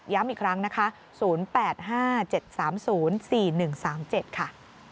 อีกครั้งนะคะ๐๘๕๗๓๐๔๑๓๗ค่ะ